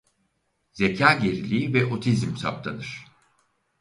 Zekâ geriliği ve otizm saptanır.